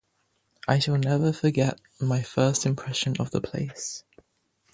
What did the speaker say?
I shall never forget my first impression of the place.